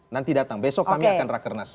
nanti datang besok kami akan rakernas